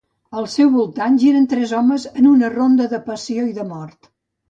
As seu voltant giren tres homes en una ronda de passió i de mort.